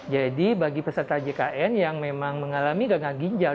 jadi bagi peserta jkn yang memang mengalami gagal ginjal